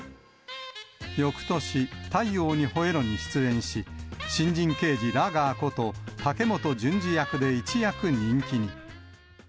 よくとし、太陽にほえろ！に出演し、新人刑事ラガーこと、竹本淳二役で一躍人気に。